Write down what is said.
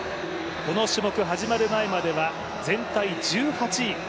この種目始まる前までは全体１８位。